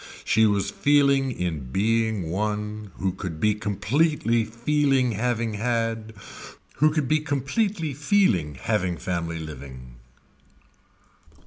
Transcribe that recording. She was feeling in being one who could be completely feeling having had, who could be completely feeling having family living.